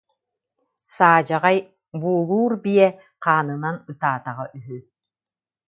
Саадьаҕай буулуур биэ хаанынан ытаатаҕа үһү